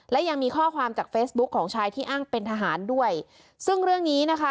และยังมีข้อความจากเฟซบุ๊คของชายที่อ้างเป็นทหารด้วยซึ่งเรื่องนี้นะคะ